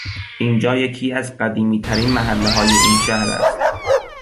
اینجا یکی از قدیمیترین محلههای این شهر است